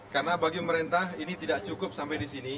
karena bagi pemerintah ini tidak cukup sampai di sini